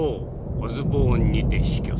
オズボーンにて死去す。